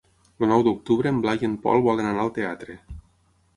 El nou d'octubre en Blai i en Pol volen anar al teatre.